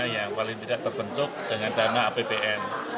yang paling tidak terbentuk dengan dana apbn